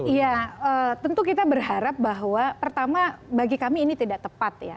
iya tentu kita berharap bahwa pertama bagi kami ini tidak tepat ya